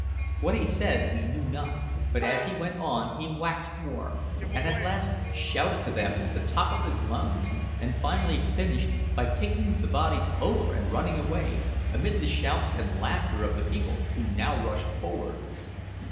What he said we knew not, but as he went on he waxed warm, and at last shouted to them at the top of his lungs, and finally finished by kicking the bodies over and running away, amid the shouts and laughter of the people, who now rushed forward.